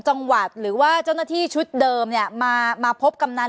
จังหวัดหรือว่าเจ้าหน้าที่ชุดเดิมเนี่ยมามาพบกำนัน